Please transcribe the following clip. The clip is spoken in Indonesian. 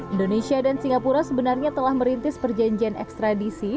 indonesia dan singapura sebenarnya telah merintis perjanjian ekstradisi